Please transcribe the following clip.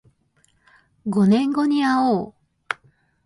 五年後にあおう